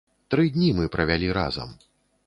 Тры дні мы правялі разам.